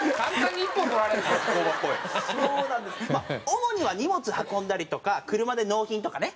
主には荷物運んだりとか車で納品とかね